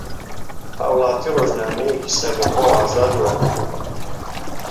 ھاوڵاتی ڕۆژنامەیەکی سەربەخۆ و ئازاد و ئەھلییە